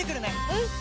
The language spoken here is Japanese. うん！